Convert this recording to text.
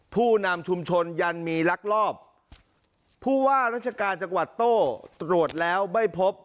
ผู้นำชุมชนยันมีลักลอบผู้ว่าราชการจังหวัดโต้ตรวจแล้วไม่พบ